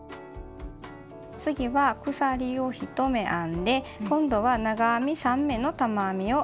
次は鎖を１目編んで今度は長編み３目の玉編みを編みます。